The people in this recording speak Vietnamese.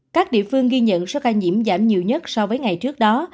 các địa phương ghi nhận số ca nhiễm giảm nhiều nhất so với ngày trước đó